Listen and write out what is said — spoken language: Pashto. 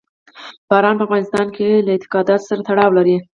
باران په افغانستان کې له اعتقاداتو سره تړاو لري.